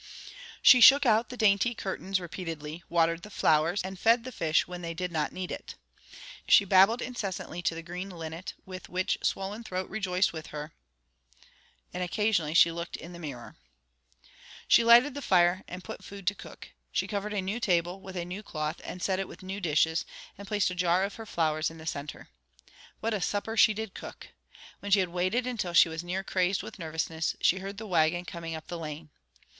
She shook out the dainty curtains repeatedly, watered the flowers, and fed the fish when they did not need it. She babbled incessantly to the green linnet, which with swollen throat rejoiced with her, and occasionally she looked in the mirror. She lighted the fire, and put food to cook. She covered a new table, with a new cloth, and set it with new dishes, and placed a jar of her flowers in the center. What a supper she did cook! When she had waited until she was near crazed with nervousness, she heard the wagon coming up the lane.